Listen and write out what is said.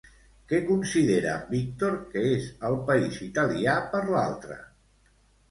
Què considera en Víctor que és el país italià per l'altre?